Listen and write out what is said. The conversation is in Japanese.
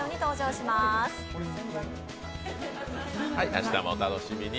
明日もお楽しみに。